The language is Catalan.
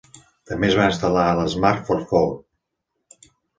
També es va instal·lar a l'Smart Forfour.